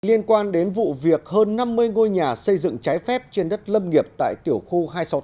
liên quan đến vụ việc hơn năm mươi ngôi nhà xây dựng trái phép trên đất lâm nghiệp tại tiểu khu hai trăm sáu mươi tám